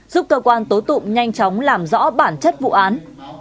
giúp cơ quan tố tụng nhanh chóng làm rõ bản chất vụ án